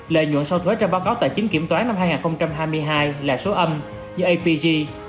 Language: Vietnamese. lợi nhuận trong báo cáo tài chính kiểm soát năm hai nghìn hai mươi hai là số âm như apg